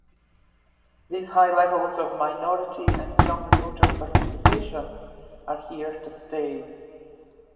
These high levels of minority and young voter participation are here to stay.